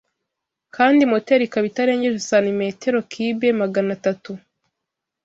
kandi moteri ikaba itarengeje santimetero kibe Magana atatu